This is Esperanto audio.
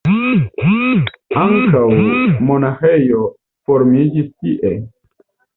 Ankaŭ monaĥejo formiĝis tie.